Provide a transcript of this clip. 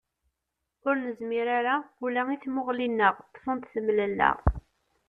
Ur nezmir ara ula i tmuɣli-nneɣ, ṭṭfent temlella.